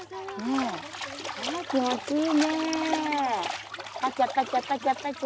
気持ちいい！